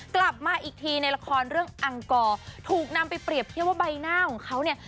กลับมาอีกทีในละครเรื่องอังกรถูกนำไปเปรียบเทียบว่าใบหน้าของเขาเนี่ย